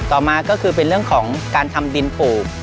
ต่อมาก็คือเป็นเรื่องของการทำดินปลูก